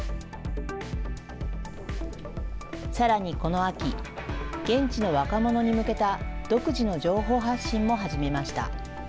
さらにこの秋、現地の若者に向けた独自の情報発信も始めました。